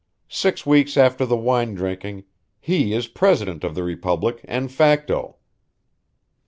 Six weeks after the wine drinking he is President of the Republic, en facto.